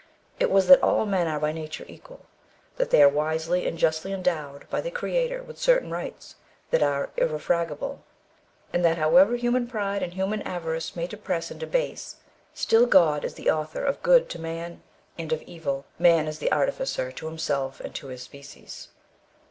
It was, that all men are by nature equal; that they are wisely and justly endowed by the Creator with certain rights, which are irrefragable; and that, however human pride and human avarice may depress and debase, still God is the author of good to man and of evil, man is the artificer to himself and to his species.